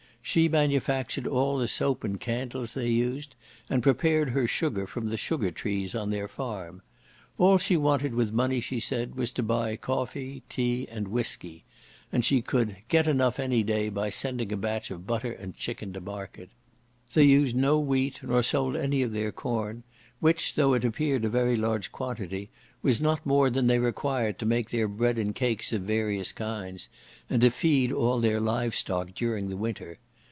She manufactured all the soap and candles they used, and prepared her sugar from the sugar trees on their farm. All she wanted with money, she said, was to buy coffee, tea, and whiskey, and she could "get enough any day by sending a batch of butter and chicken to market." They used no wheat, nor sold any of their corn, which, though it appeared a very large quantity, was not more than they required to make their bread and cakes of various kinds, and to feed all their live stock during the winter.